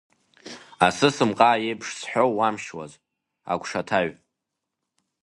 Асыс-мҟаа еиԥш зҳәоу уамшьуаз, агәшаҭаҩ…